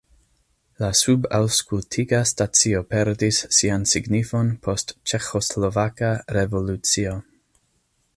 La subaŭskultiga stacio perdis sian signifon post ĉeĥoslovaka revolucio.